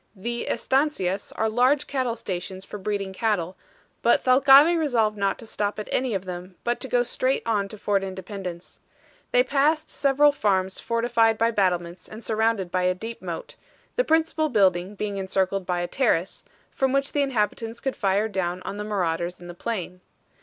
The ESTANCIAS are large cattle stations for breeding cattle; but Thalcave resolved not to stop at any of them, but to go straight on to Fort Independence. They passed several farms fortified by battlements and surrounded by a deep moat, the principal building being encircled by a terrace, from which the inhabitants could fire down on the marauders in the plain.